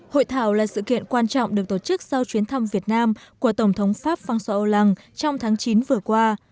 hội thảo là sự kiện quan trọng được tổ chức sau chuyến thăm việt nam của tổng thống pháp phan xoa âu lăng trong tháng chín vừa qua